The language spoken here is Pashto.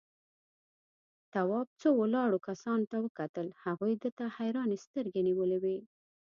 تواب څو ولاړو کسانو ته وکتل، هغوی ده ته حيرانې سترگې نيولې وې.